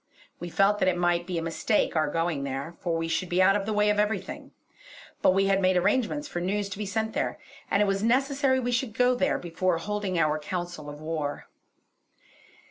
We felt that it might be a mistake our going there, for we should be out of the way of everything; but we had made arrangements for news to be sent there, and it was necessary we should go there before holding our council of war.